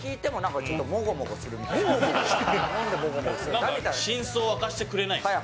なんか真相を明かしてくれないんですよ。